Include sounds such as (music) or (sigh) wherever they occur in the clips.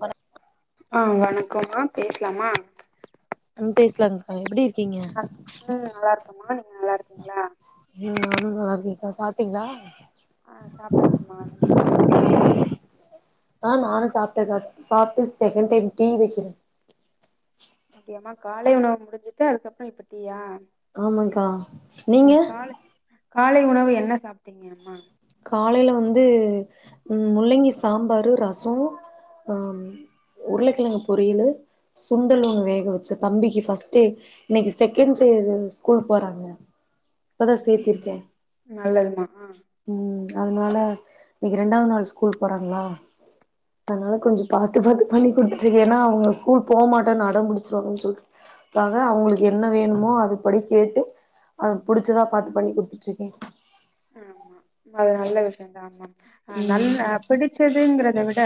வணக் ஆ வணக்கம்மா பேஸ்லாமா ஆ பேசலாங்கக்கா எப்பிடி இருக்கீங்க ஆ, ம் நல்லா இருக்கம்மா நீங்க நல்லா இருக்கீங்ளா ம் அதுதா அது இப்ப சாப்டிங்ளா ஆ சாப்ட்டாச்சுமா நீங்க சாப்ட்டீங்ளா ஆ நானு சாப்ட்டக்கா சாப்டு செகண் டைம் டீ வெக்கிற அப்டியாமா காலை உணவு முடிஞ்சிட்டு அதுக்கப்றோ இப்ப டீயா ஆமாக்கா நீங்க ம் காலை காலை உணவு என்ன சாப்ட்டீங்க அம்மா காலல வந்து ம் முள்ளங்கி சாம்பாரு ரசோ ஆ ம் உருளக்கெழங்கு பொரியலு சுண்டல் ஒன்னு வேக வச்ச தம்பிக்கு ஃபஸ்ட் டே இன்னக்கி செகண்ட் ட்ரே இது ஸ்கூல் போறாங்க இப்பதா சேத்திருக்கே நல்லதுமா ஆ ம் அதனால இன்னிக்கி ரெண்டாவது நாள் ஸ்கூல் போறாங்களா அதனால கொஞ்சோ பாத்து பாத்து பண்ணி குடுத்துட்டுருக்கே ஏன்னா அவுங்க ஸ்கூல் போமாட்டேன்னு அடம் புடிச்சிருவாங்கன்னு சொல்ட்டு இதுக்காக அவுங்களுக்கு என்ன வேணுமோ அது படி கேட்டு அவன்கு புடிச்சதா பாத்து பண்ணி குடுத்துட்டுருக்கே ஆமா அது நல்ல விஷியந்தா ஆமா ஆ ம் நல்லா பிடிச்சதுங்குறத விட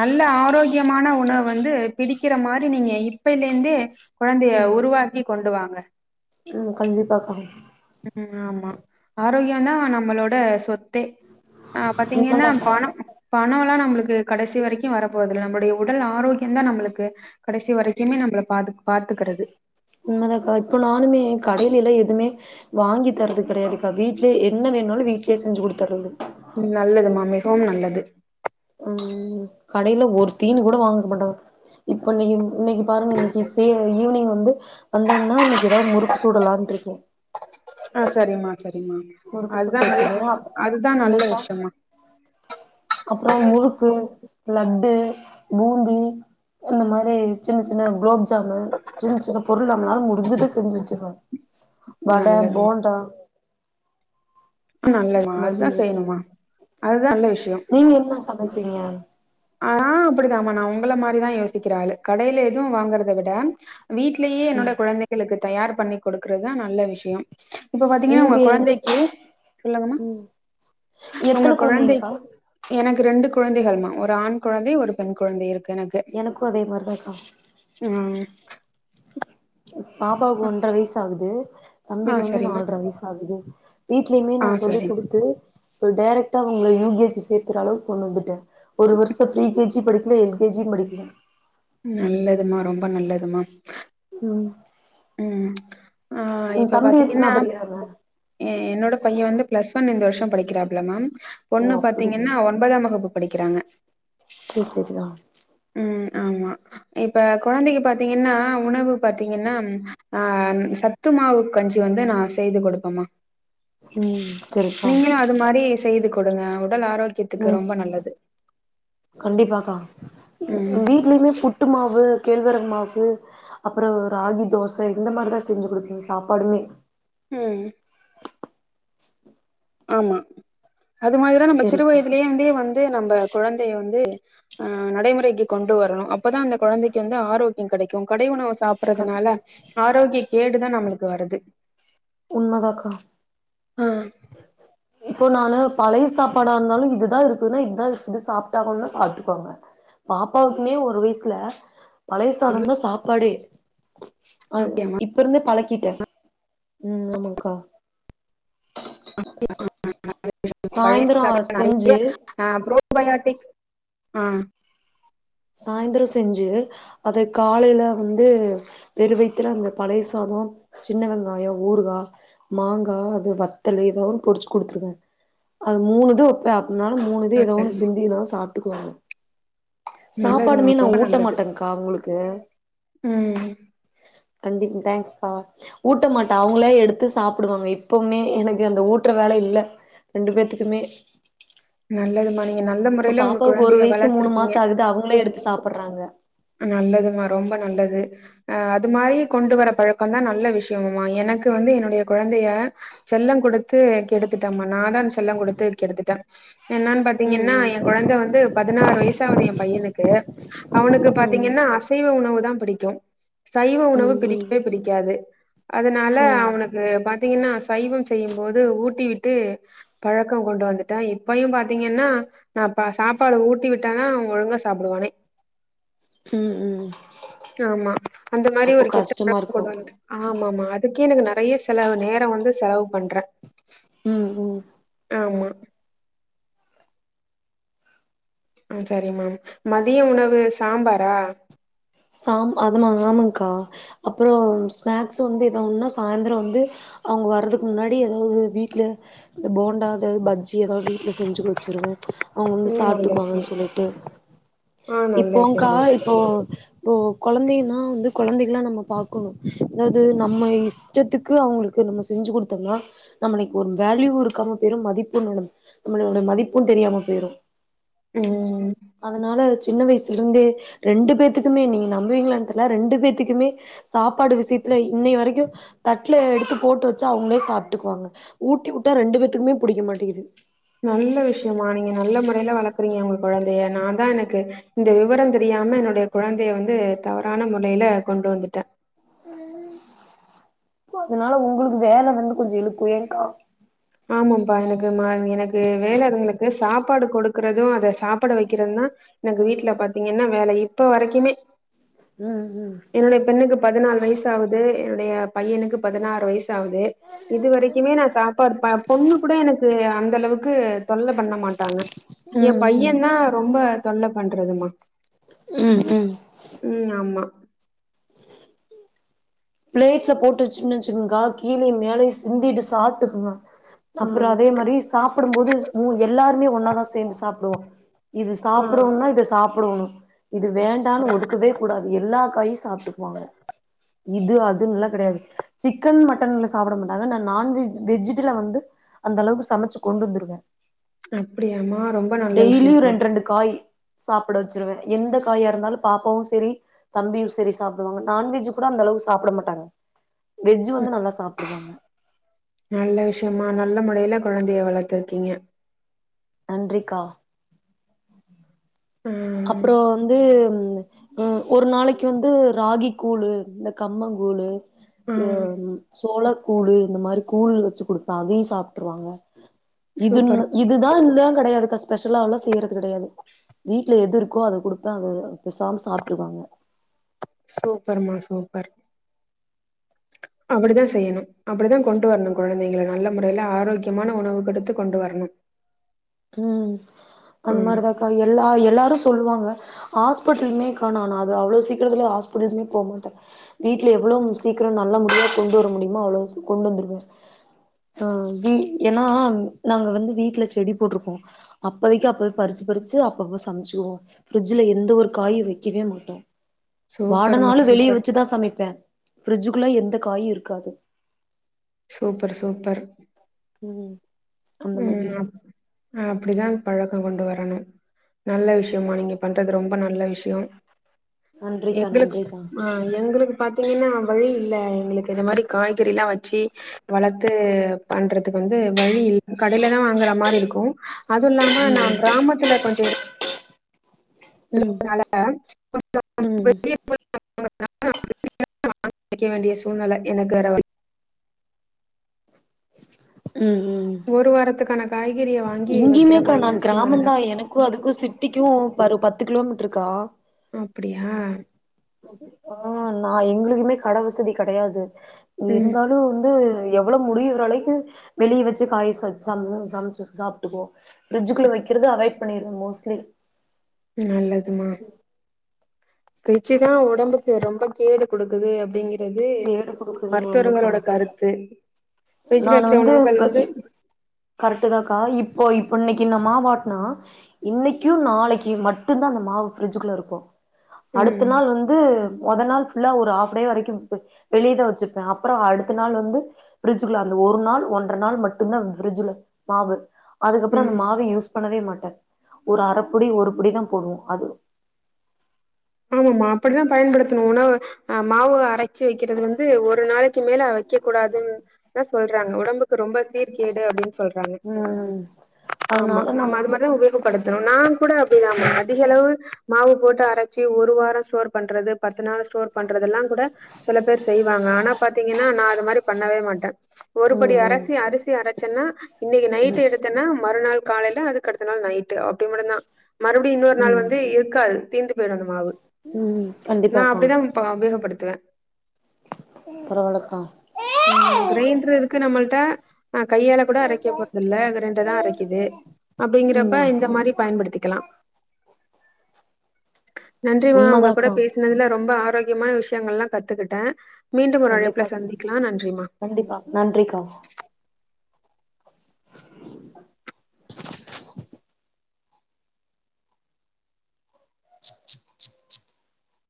நல்ல ஆரோக்கியமான உணவு வந்து பிடிக்கிற மாரி நீங்க இப்பயிலேந்தே கொழந்தைய ம் உருவாக்கி கொண்டுவாங்க ம் கண்டிப்பாக்கா ம் ஆமா ஆரோக்கியனா நம்மளோட சொத் தே ஆ பாத்தீங்கின்னா உண்மதாக்கா பணோ பணலா நம்பளுக்கு கடைசி வரைக்கு வரபோவதில்ல நம்மளுடைய உடல் ஆரோக்கியதா நம்பளுக்கு கடைசி வரைக்குமே நம்பள பா பாத்துக்குறது உண்மதாக்கா இப்ப நானுமே கடையிலிலா எதுமே வாங்கி தரது கிடையாதுக்கா வீட்லே என்ன வேணாலு வீட்லே செஞ்சு குடுத்துறது நல்லதுமா மிகவும் நல்லது ம் கடையில ஒரு தீனு கூட வாங்க மாட்டாங்க இப்ப இன்னக்கி இன்னக்கி பாருங்க இன்னக்கி சே ஈவினிங் வந்து வந்தாங்கன்னா இன்னக்கி ஏதாவது முறுக்கு சுடலான்ட்ரிக்கே ஆ சரிமா சரிமா முறுக்கு அதுதா சுட்டு அதுதா நல்ல விஷயமா அப்றோ முறுக்கு லட்டு பூந்தி இந்த மாரி சின்ன சின்ன குலோப்ஜாமு சின்ன சின்ன பொருள் நம்மளால முடிஞ்சத செஞ்சு வச்சுருவ வட நல்லதுமா போண்டா நல்லதுமா இந்த மாரி அதுதா செஞ்சு வச்சிருவே செய்யணுமா அதுதா நல்ல விஷயோ நீங்க என்னா சமைப்பீங்க ஆ நா அப்டிதாமா நா ஒங்கள மாதிரிதா யோசிக்கிற ஆளு கடையில எதுவு வாங்கறத விட வீட்லயே என்னோட கொழந்தைகளுக்கு தயார் பண்ணி குடுக்கறதுதா நல்ல விஷயோ இப்ப பாத்தீங்கன்னா ஒங்க உங்களுக்கு என் கொழந்தைக்கு சொல்லுங்கம்மா ம் ஒங்க எத்தன கொழந்தைங்க்கா கொழந்தைக்கு எனக்கு ரெண்டு குழந்தைகள்மா ஒரு ஆண் கொழந்தை ஒரு பெண் கொழந்தை இருக்கு எனக்கு எனக்கு அதே மாதிரிதாக்கா ம் பாப்பாக்கு ஒன்ட்ற வயசு ஆகுது ஆ தம்பிக்கு வந்து சரிம்மா நால்ட்ர வயசு ஆகுது வீட்லயுமே ஆ நா சொல்லி சரி குடுத்து இப்ப டைரெக்டா அவங்கள யூகேஸி சேர்த்துற அளவுக்கு கொண்டு வந்துட்ட ஒரு வருஷ ப்ரீகேஜி படிக்கல எல்கேஜியு படிக்கல நல்லதுமா ரொம்ப நல்லதுமா ம் ம் ஆ ம் இப்ப தம்பி எத்தனா பாத்தீங்கன்னா படிக்கிறாங்க என்னோட பைய வந்து பிளஸ் ஒன் இந்த வருஷோ படிக்கிறாப்லமா ஓ பொண்ணு அப்டியா பாத்தீங்கன்னா ஒன்பதாம் வகுப்பு படிக்கிறாங்க செரி செரி தா ம் ஆமா இப்ப கொழந்தைக்கு பாத்தீங்கனா உணவு பாத்தீங்கனா ஆ சத்துமாவு கஞ்சி வந்து நா செய்து குடுப்பமா ம் செரிப்பா இந்த மாதிரி செய்து குடுங்க உடல் ஆரோக்கியத்துக்கு ம் ரொம்ப நல்லது கண்டிப்பாக்கா ம் வீட்லயுமே புட்டு மாவு கேழ்வரகு மாவு அப்றோ ராகி தோச இந்த மாதிரிதா செஞ்சு குடுப்பே சாப்பாடுமே ம் ஆமா அது மாதிரிதா நம்ம சிறு சரிக்கா வயதுலய இருந்தே வந்து நம்ம குழந்தைய வந்து ஆ நடைமுறைக்கு கொண்டு வரணு அப்பதா அந்த குழந்தைக்கு வந்து ஆரோக்கிய கிடைக்கு கடை உணவு கண் சாப்பறதுனால ஆரோக்கிய கேடுதா நம்மளுக்கு வருது உண்மதாக்கா ஆ இப்போ நானு பழைய சாப்பாடா இருந்தாலு இதுதா இருக்குதுன்னா இதுதா இது சாப்ட்டாகனுன்னா சாப்ட்டுக்வாங்க பாப்பாக்குமே ஒரு வயசுல பழய சாதந்தா சாப்பாடே அது ஓகேமா இப் அப்பருந்தே பழக்கிட்ட ம் ஆமாக்கா (inaudible) பழைய சாய்ந்தரோ சாத நெறைய செஞ்சு ஆ புரோபயாடிக் ஆ சாய்ந்தர செஞ்சு அத காலையில வந்து வெறு வயித்துல அந்த பழைய சாத சின்ன வெங்காய ஊறுகா மாங்கா அது வத்தலு ஏதோன்னு பொரிச்சு குடுத்துருவே அது மூணு இது வெப்ப அதனால மூணுது ஏதோ ஒன்னு சிந்தின்னா சாப்டுக்குவாங்க நல்லதுமா சாப்பாடுமே நா ரொம்ப ஊட்ட நல்லது மாட்டங்க்கா அவுங்களுக்கு ம் கண்டிப் தேங்க்ஸ்கா ஊட்ட மாட்ட அவங்களே எடுத்து சாப்புடுவாங்க எப்பவுமே எனக்கு அந்த ஊட்ற வேல இல்ல ரெண்டு பேத்துக்குமே நல்லதுமா நீங்க நல்ல முறையில உங்க குழந்தைய வளர்த்திருக்கிங்க அதுக்கு அவங்களே எடுத்து சாப்படறாங்க நல்லதுமா ரொம்ப நல்லது அது மாரியே கொண்டு வர பழக்கந்தா நல்ல விஷயமுமா எனக்கு வந்து என்னுடைய குழந்தைய செல்ல குடுத்து கெடுத்துட்டமா நா தா செல்லங் குடுத்து கெடுத்துட்ட என்னான் பாத் ம் திங்கன்னா ம் எ கொழந்த வந்து பதினாறு வயசாவது எ பையனுக்கு அவனுக்கு ம் பாத்திங்கன்னா அசைவ உணவுதா பிடிக்கு சைவ உணவு ம் பிடிக்கவே பிடிக்காது அதனால ம் ம் அவனுக்கு பாத்திங்கன்னா சைவம் செய்யும்போது ஊட்டி விட்டு பழக்க கொண்டு வந்து தா இப்பையு பாத்திங்கன்னா நா பா சாப்பாடு ஊட்டி விட்டாதா அவ ஒழுங்கா சாப்பிடுவானே ம் ம் ஆமா அந்த மாரி அப்போ ஒரு கெட்ட கஷ்டமா பழக்க இருக்கு கொண்டு வந்துட்ட ஆமாமா அதுக்கே எனக்கு நெறைய செலவு நேர வந்து செலவு பண்ற ம் ம் ஆமா ஆ சரி மாம் மதிய உணவு சாம்பாரா சாம் அதமா ஆமாங்க்கா அப்பற ஸ்நாக்ஸ் வந்து எதோ ஒன்னா சாயந்தர வந்து அவங்க வர்றதுக்கு முன்னாடி எதாவது வீட்ல இந்த போண்டா எதாது பஜ்ஜி எதாது வீட்ல செஞ்சு வெச்சிருவே அவங்க வந்து ம் நல்ல சாப்ட்டுக்குவாங்கன் விஷயம் சொல்லிட்டு ஆ நல்ல இப்போங்க்கா விஷயமா இப்போ இப்போ கொழந்தைனா வந்து கொழந்தைகளா நம்ம பாக்கணு அதாவது நம்ம இஷ்டத்துக்கு அவங்களுக்கு நம்ம செஞ்சு குடுத்தம்னா நம்முளுக்கு ஒரு வேல்யூவு இருக்காம‌ போய்ரு மதிப்பு நம்மளோட மதிப்பு தெரியாம போயிரு ம் அதனால சின்ன வயசுல இருந்தே ரெண்டு பேத்துக்கு க்குமே நீங்க நம்புவீங்கலானு தெர்ல ரெண்டு பேத்துக்குமே சாப்பாடு விஷயத்துல இன்னை வரைக்கு தட்ல எடுத்து போட்டு வெச்சா அவுங்களே சாப்டுக்குவாங்க ஊட்டி உட்டா ரெண்டு பேத்துக்குமே புடிக்க மாட்டிக்குது நல்ல விஷயமா நீங்க நல்ல முறைல வளக்குறீங்க உங்க கொழந்தைய நாதா எனக்கு இந்த விவரோ தெரியாம என்னுடைய குழந்தைய வந்து தவறான முறைல கொண்டு வந்துட்டே அதனால உங்களுக்கு வேல வந்து கொஞ்சோ இழுக்கு ஏங்கா ஆமாம்பா எனக்கு மா எனக்கு வேலங்களுக்கு சாப்பாடு கொடுக்குறது அத சாப்பாட வெக்கிறதுதா எனக்கு வீட்ல பாத்தீங்கன்னா வேலையே இப்ப வரிக்குமே ம் ம் என்னுடைய பெண்ணுக்கு பதினாலு வய்சு ஆவுது என்னுடைய பையனுக்கு பதினாறு வய்சாவுது இது வரைக்குமே நா சாப்பாடு பொண்ணு கூட எனக்கு அந்த அளவுக்கு தொல்ல பண்ண மாட்டாங்க எ ம் பையதா ரொம்ப தொல்ல பண்றதுமா ம் ம் ம் ஆமா ப்ளேட்ல போட்டு வெச்சிகன்னு வெச்சுக்கங்கா கீழயு மேலயு சிந்திட்டு சாப்டுக்குங்க ஆ அப்பறோ அதே மாரி சாப்டும்போது மு‌ எல்லாருமே ஒன்னாதா சேந்து சாப்டுவோ இது ஆ சாப்டோணுனா இத சாப்டோணு இது வேண்டான் ஒதுக்கவே கூடாது எல்லா காயு சாப்டுக்குவாங்க இது அதுன்லா கடையாது சிக்கன் மட்டன்லா சாப்ட மாட்டாங்க ஆனா நான்வெஜ் வெஜுட்டுல வந்து அந்த அளவுக்கு சமச்சு கொண்டு வந்துருவே அப்டியாமா ரொம்ப நல்ல டெய்லியு விஷயமா ரெண்டு ரெண்டு காய் சாப்பட‌ வெச்சிருவே எந்த காயா இருந்தாலு பாப்பாவு செரி தம்பியு செரி சாப்டுவாங்க நான்வெஜ் கூட அந்த அளவுக்கு சாப்ட மாட்டாங்க வெஜ்ஜு வந்து நல்லா சாப்டுற்றாங்க நல்ல விஷயமா நல்ல முடைல குழந்தைய வளர்த்துருக்கீங்க நன்றிக்கா ம் அப்றோ வந்து ஒரு நாளைக்கு வந்து ராகி கூழு இந்த கம்மங்கூழு அ ம் சோளக் கூழு இந்த மாரி கூழ் வெச்சு குடுப்பே அதையு சாப்ட்ருவாங்க சூப்பர் இதுன்னு இதுதா இத்தா கடையாதுக்கா ஸ்பெஷலாலா செய்றது கடையாது வீட்ல எது இருக்கோ அத குடுப்பே அத பெசாம சாப்ட்டுக்வாங்க சூப்பர்மா சூப்பர் அப்டிதா செய்யணு அப்படித்தா கொண்டு வரணு குழந்தைங்கள நல்ல முறைல ஆரோக்கியமான உணவு கொடுத்து கொண்டு வரணு ம் அந்த ஆமா மாரிதாக்கா எல்லா எல்லாரு சொல்லுவாங்க ஹாஸ்பிடலுமேகா நான் அது அவ்ளோ சீக்கரத்துல ஹாஸ்பிடல்குமே போ மாட்டே வீட்ல எவ்ளோ சீக்கிரோ நல்ல முடியா கொண்டு வர முடியுமோ அவ்ளோ கொண்டு வந்துடுவே ஆ வீ எனா நாங்க வந்து வீட்ல செடி போட்ருப்போ அப்போதைக்கு அப்ப பறிச்சு பறிச்சு அப்பப்ப சமச்சுக்குவோ ஃப்ரிட்ஜுல இருந்து ஒரு காய் வெக்கவே மாட்டோ சூப்பர்மா வாடனாளு வெளிய சூப்பர் வெச்சுதா சமைப்பே ஃப்ரிட்ஜுகுள்ள எந்த காயு இருக்காது சூப்பர் சூப்பர் ம் அந்த ம் மாரி அப் அப்டிதான் பழக்கம் கொண்டு வரணும் நல்ல விஷ்யம்மா நீங்க பண்றது ரொம்ப நல்ல விஷ்யொம் நன்றிக்கா எங்களுக் நன்றிக்கா ஆ எங்களுக்கு பாத்தீங்கன்னா வழி இல்ல எங்களுக்கு இந்த மாரி காய்கறி எலாம் வெச்சி வளர்த்து பண்றதுக்கு வந்து வழி இல்ல கடைல தான் வாங்கற மாரி இருக்கு அதும் இல்லாம நா கிராமத்துல கொஞ்சொ ம் அதனால கொஞ்சொ (inaudible) ம் வெக்க வேண்டிய சூழ்நெல எனக்கு வேற வழி ம் ம் ஒரு வாரத்துக்கான காய்கறிய வாங்கி வெக்கெற மாரியான சூழ்நெல தா க்கு அதுக்கு சிட்டிக்கு இப்ப ஒரு பத்து கிலோமீட்டர் இருக்கா ஒ அப்பிடியா ஆ நா எங்களுக்குமே கட வசதி கடையாது ம் இருந்தாலு வந்து எவ்ளோ முடியிற அளைக்கு வெளிய வெச்சு காய ச சம சமச்சு சாப்ட்டுக்வோ ஃப்ரிஜ்குள்ள வெக்கெறது அவாய்டு பண்ணிடுவே மோஸ்ட்லி நல்லது மா ஃபிரிஜ்ஜிதா ஒடம்புக்கு ரொம்ப கேடு குடுக்குது அப்பிடிங்கறது ஏடு குடுக்குது ஆமாக்கா மருத்துவர்களோட கருத்து ஃபிரிஜ்ல வெக்கற உணவு வந்து கரட்டு தா கா இப்போ இப்போ இன்னெக்கி நா மாவாட்னா இன்னெக்கு நாளெக்கு மட்டுந்தா அந்த மாவு ஃபிர்ஜுகுள்ள இருக்கு ம் அடுத்த நாள் வந் ம் மொத நாள் ஃபுல்லா ஒரு ஹாப் டே வரைக்கு வ வெளிய தா வெச்சிருப்பேன் அப்பறோ அடுத்த நாள் வந்து ஃபிரிட்ஜ் குள்ள அந்த ஒரு நாள் ஒன்றர நாள் மட்டுந்தா ஃபிரிஜுல மாவு அதுக்கப்பறோ ம் அந்த மாவ யூஸ் பண்ணவே மாட்டே ஒரு அர புடி ஒரு புடி தா போடுவோ அது ஆமா மா அப்பிடித்தா பயன்படுத்தணு உணவ அ மாவு அரச்சு வெக்கெறது வந்து ஒரு நாளெக்கி மேல வெக்க கூடாதுன் தா சொல்றாங்க ஒடம்புக்கு ரொம்ப சீர்க்கேடு அப்டின் சொல்றாங்க ம் ம் ஆமா அதனால நம்ம நம் அது மாரிதா உபயோகப்படுத்தணு நாங்கூட அப்பிடிதா மா ம் அதிக அளவு மாவு போட்டு அரச்சு ஒரு வாரோ ஸ்டோர் பண்றது பத்து நாள் ஸ்டோர் பண்றதெல்லாங்குட சில பேர் செய்வாங்க ஆனா பாத்தீங்கன்னா நா அது மாரி பண்ணவே மாட்டே ஒருபடி ம் அரசி அரிசி அரச்சன்னா இன்னெக்கி நைட்டு எடு த்தனா மறுநாள் காலேல அதுக்கடுத்த நாள் நைட்டு அப்டி மட்டுந்தா மறுபடி ம் இன்னொரு நாள் ம் வந்து இருக்காது திந்து போய்டு அந்த மாவு ம் கண்டிப்பா கா அப்ப அபயோகப்படுத்துவே பரவால கா ம் க்ரைண்டர் இருக்கு நம்மள்ட்ட ஆ கையால கூட அரைக்க போறது இல்ல க்ரைண்டர் தா அரைக்கிது அப்டிங்கிறப்ப ம் இந்த மாரி பயன்படுத்திக்கலா நன்றி மா உங்க கூட உண்மதாக்கா பேசுனதுல ரொம்ப ஆரோக்கியமான விஷ்யங்கள் ல்லா கத்துக்கிட்ட கண்டிப்பா கண்டிப்பா நன்றி கா